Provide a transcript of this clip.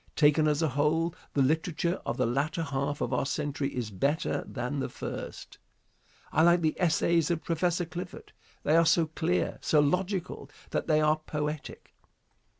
Taken as a whole, the literature of the latter half of our century is better than the first. I like the essays of Prof. Clifford. They are so clear, so logical that they are poetic.